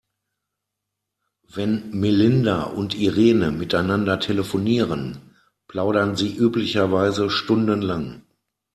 Wenn Melinda und Irene miteinander telefonieren, plaudern sie üblicherweise stundenlang.